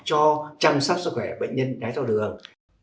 cho chăm sóc sức khỏe bệnh nhân đáy thao đường